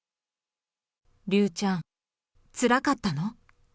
竜ちゃん、つらかったの？